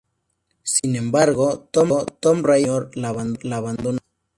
Sin embargo, Tom Riddle Sr. la abandonó.